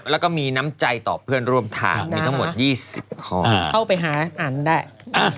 แล้วก็มีน้ำใจต่อเพื่อนร่วมทางมีทั้งหมด๒๐ข้อเข้าไปหาอันได้